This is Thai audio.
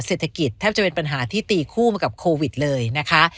เศรษฐกิจแทบจะเป็นปัญหาที่ตีคู่มากับโควิดเลยนะคะ